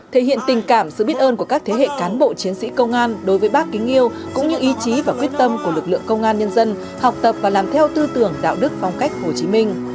thể hiện tình cảm sự biết ơn của các thế hệ cán bộ chiến sĩ công an đối với bác kính yêu cũng như ý chí và quyết tâm của lực lượng công an nhân dân học tập và làm theo tư tưởng đạo đức phong cách hồ chí minh